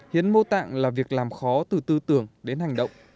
hiến mô tạng là việc làm khó từ tư tưởng đến hành động